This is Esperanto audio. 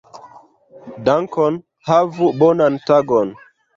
Dankon. Havu bonan tagon.